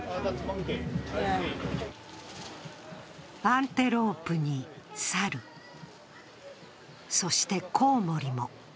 アンテロープに、サル、そしてコウモリも。